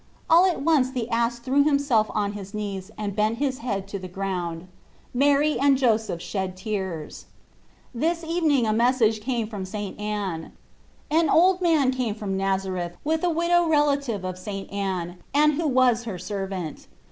All at once the ass threw himself on his knees and bent his head to the ground. Mary and Joseph shed tears. This even ing a message came from St. Anne. An old man came from Nazareth with a widow relative of St. Anne, and who was her servant.